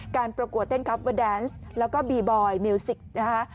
ประกวดเต้นคอฟเวอร์แดนซ์แล้วก็บีบอยมิวสิกนะคะ